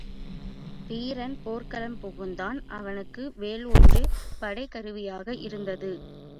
வீரன் போர்க்களம் புகுந்தான், அவனுக்கு வேல் ஒன்றே படைக் கருவியாக இருந்தது.